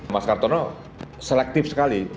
mas kartono selektif sekali